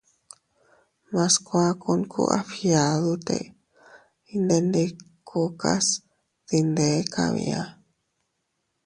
Mas kuakun ku a fgiadute iydendikukas dinde kabia.